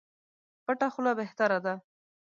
پټه خوله بهتره ده.